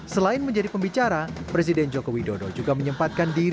selain menjadi pembicara presiden jokowi dodo juga menyempatkan diri